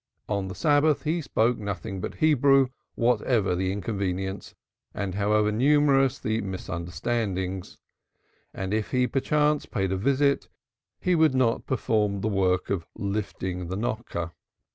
On the Sabbath he spoke nothing but Hebrew whatever the inconvenience and however numerous the misunderstandings, and if he perchance paid a visit he would not perform the "work" of lifting the knocker.